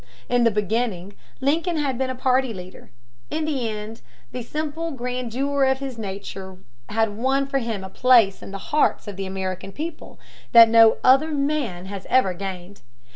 In the beginning Lincoln had been a party leader. In the end the simple grandeur of his nature had won for him a place in the hearts of the American people that no other man has ever gained.